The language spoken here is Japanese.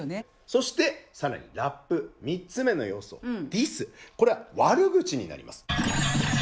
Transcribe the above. そして更にラップ３つ目の要素「ディス」これは悪口になります。